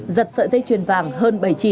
giật sợi dây chuyền vàng hơn bảy chỉ